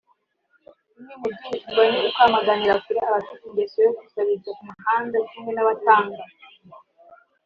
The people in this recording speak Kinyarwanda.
bimwe mu byihutirwa ni ukwamaganira kure abafite ingeso yo gusabiriza ku muhanda kimwe n’abatanga